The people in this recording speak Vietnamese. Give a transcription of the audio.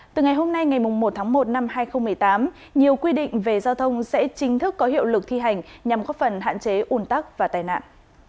từ ngày hôm nay ngày một tháng một năm hai nghìn một mươi tám nhiều quy định về giao thông sẽ chính thức có hiệu lực thi hành nhằm góp phần hạn chế ủn tắc và tai nạn